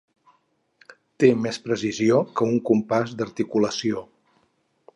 Té més precisió que un compàs d'articulació.